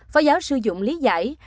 phó giáo sư dũng lý giải